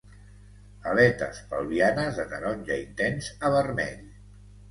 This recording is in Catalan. Aletes pelvianes de taronja intens a vermell.